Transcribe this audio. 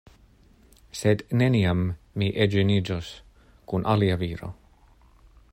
Sed neniam mi edziniĝos kun alia viro.